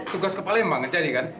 tugas kepala yang banget jadi kan